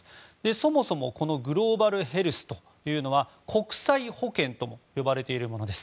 そもそもグローバルヘルスというのは国際保健と呼ばれているものです。